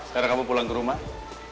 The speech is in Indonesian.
sekarang kamu pulang ke rumah